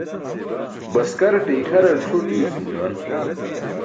Baskaraṭe ikʰarar cʰur diwsum juwan.